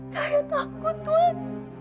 saya takut tuan